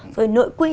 rồi nội quy